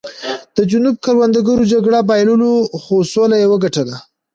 د جنوب کروندګرو جګړه بایلوله خو سوله یې وګټله.